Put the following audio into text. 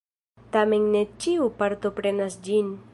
Tamen ne ĉiu partoprenas ĝin.